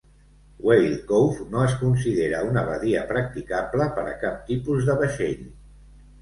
Whale Cove no es considera una badia practicable per a cap tipus de vaixell.